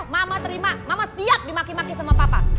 mama terima mama siap dimaki maki sama papa